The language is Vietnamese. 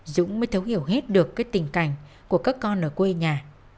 dũng mới thấu hiểu hết được cái tình cảnh của các con ở quê nhà